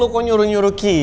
gak usah nyuruh nyuruh kita sih